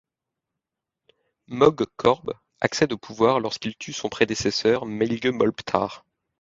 Mog Corb accède au pouvoir lorsqu'il tue son prédécesseur, Meilge Molbthach.